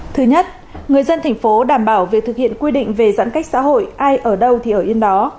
thứ nhất người dân thành phố đảm bảo việc thực hiện quy định về giãn cách xã hội ai ở đâu thì ở yên đó